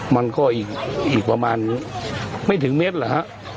มันก็อีกประมาณไม่ถึงเม็ดเหรอฮะ